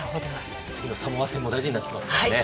次のサモア戦も大事になってきますからね。